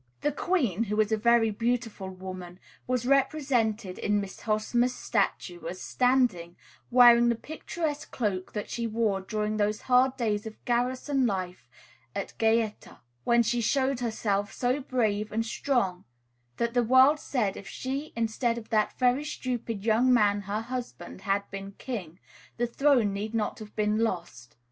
The queen, who is a very beautiful woman, was represented in Miss Hosmer's statue as standing, wearing the picturesque cloak that she wore during those hard days of garrison life at Gaeta, when she showed herself so brave and strong that the world said if she, instead of that very stupid young man her husband, had been king, the throne need not have been lost.